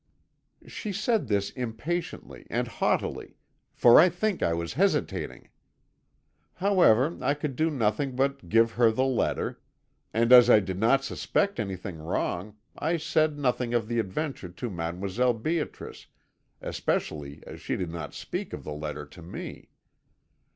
"She said this impatiently and haughtily, for I think I was hesitating. However, I could do nothing but give her the letter, and as I did not suspect anything wrong I said nothing of the adventure to Mdlle. Beatrice, especially as she did not speak of the letter to me.